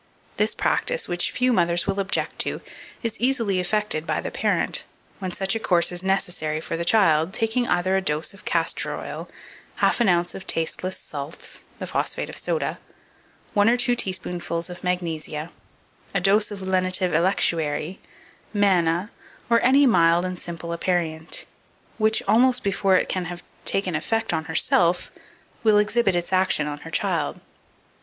This practice, which few mothers will object to, is easily effected by the parent, when such a course is necessary for the child, taking either a dose of castor oil, half an ounce of tasteless salts (the phosphate of soda), one or two teaspoonfuls of magnesia, a dose of lenitive electuary, manna, or any mild and simple aperient, which, almost before it can have taken effect on herself, will exhibit its action on her child.